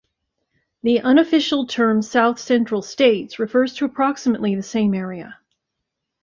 The unofficial term South Central States refers to approximately the same area.